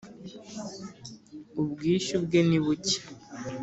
Ubwishyu bwe nibuke.